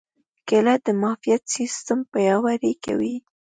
کېله د معافیت سیستم پیاوړی کوي.